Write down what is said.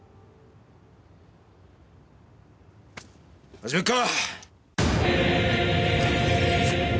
始めるか！